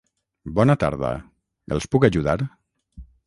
Bona tarda. Els puc ajudar?